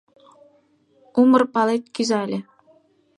Умыр пылет кӱзале.